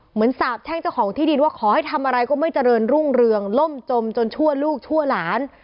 สาบแช่งเจ้าของที่ดินว่าขอให้ทำอะไรก็ไม่เจริญรุ่งเรืองล่มจมจนชั่วลูกชั่วหลาน